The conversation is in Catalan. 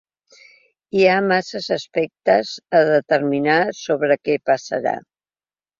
Hi ha massa aspectes a determinar sobre què passarà.